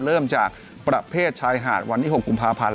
เริ่มจากประเภทชายหาดวันที่๖กุมภาพันธ์